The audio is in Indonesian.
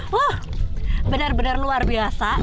wah benar benar luar biasa